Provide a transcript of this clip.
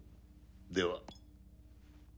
では。